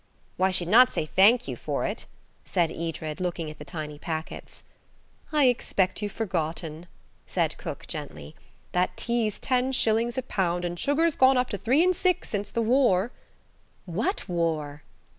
"Why, she'd not say 'Thank you' for it," said Edred, looking at the tiny packets. "I expect you've forgotten," said cook gently, "that tea's ten shillings a pound and sugar's gone up to three and six since the war." "What war?"